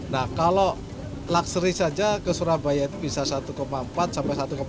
nah kalau lakseri saja ke surabaya itu bisa rp satu empat ratus sampai rp satu enam ratus